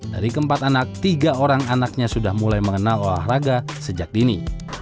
dari keempat anak tiga orang anaknya sudah mulai mengenal olahraga sejak dini